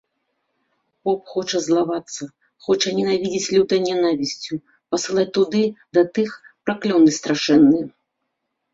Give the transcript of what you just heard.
Поп хоча злавацца, хоча ненавідзець лютай нянавісцю, пасылаць туды, да тых, праклёны страшэнныя.